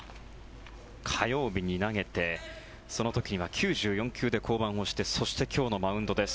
火曜日に投げてその時には９４球で降板をしてそして、今日のマウンドです。